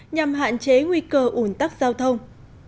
nhằm hạn chế nguy cơ ủn tắc giao thông